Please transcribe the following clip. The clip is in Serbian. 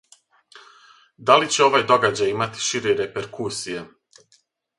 Да ли ће овај догађај имати шире реперкусије?